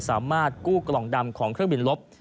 สามารถกู้กล่องดำของเครื่องบินลบ